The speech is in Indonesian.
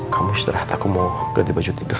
kamu istirahat aku mau ganti baju tidur